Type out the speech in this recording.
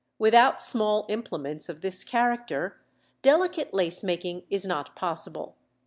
Without small implements of this character delicate lace making is not possible.